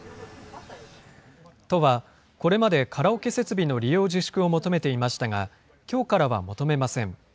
都は、これまでカラオケ設備の利用自粛を求めていましたが、きょうからは求めません。